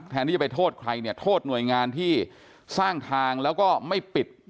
ที่จะไปโทษใครเนี่ยโทษหน่วยงานที่สร้างทางแล้วก็ไม่ปิด